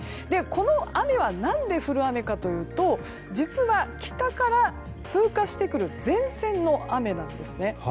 この雨、なぜ降る雨かというと実は、北から通過してくる前線の雨なんです。